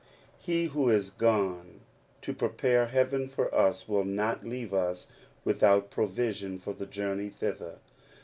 He who is gone to prepare heaven for us will not leave us without provision for the journey thither.